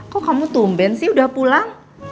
kok kamu tumben sih udah pulang